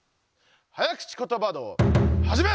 早口ことば道はじめ！